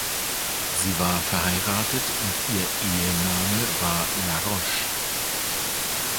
Sie war verheiratet und ihr Ehename war La Roche.